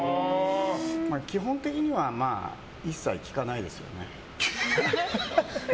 基本的には一切効かないですよね。